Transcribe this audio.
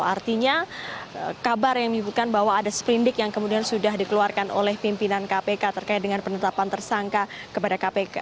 artinya kabar yang menyebutkan bahwa ada sprindik yang kemudian sudah dikeluarkan oleh pimpinan kpk terkait dengan penetapan tersangka kepada kpk